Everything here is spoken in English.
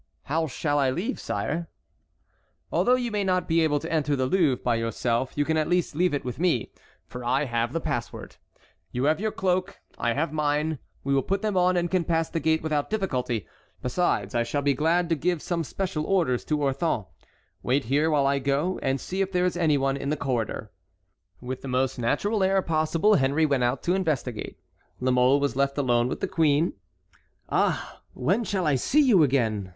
"How shall I leave, sire?" "Although you may not be able to enter the Louvre by yourself, you can at least leave it with me, for I have the password. You have your cloak, I have mine; we will put them on and can pass the gate without difficulty. Besides, I shall be glad to give some special orders to Orthon. Wait here while I go and see if there is any one in the corridor." With the most natural air possible Henry went out to investigate. La Mole was left alone with the queen. "Ah! when shall I see you again?"